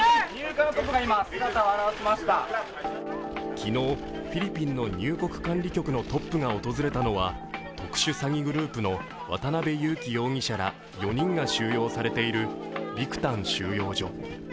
昨日、フィリピンの入国管理局のトップが訪れたのは特殊詐欺グループの渡辺優樹容疑者ら４人が収容されているビクタン収容所。